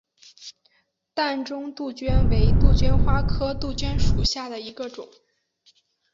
淡钟杜鹃为杜鹃花科杜鹃属下的一个种。